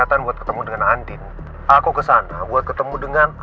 aku muak sama kamu